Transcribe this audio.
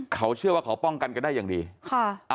เขาเชื่อว่าเขาป้องกันกันได้อย่างดีค่ะ